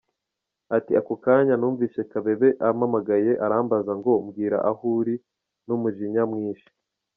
Ati "Ako kanya numvise Kabebe ampamagaye, arambaza ngo mbwira aho uri, n’umujinya mwinshi.